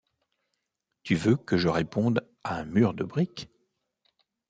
Tu veux que je réponde «à un mur de briques».